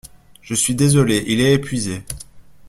Je suis désolé, il est épuisé.